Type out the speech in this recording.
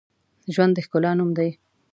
ژوند د ښکلا نوم دی